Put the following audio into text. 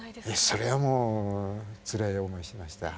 それはもうつらい思いしました。